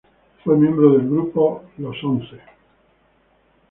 Fue miembro del grupo "Los Once".